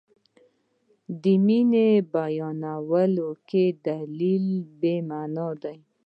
د مینې په بیانولو کې دلیل بې معنا دی.